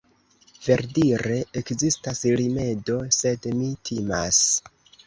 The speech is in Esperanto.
verdire ekzistas rimedo, sed mi timas.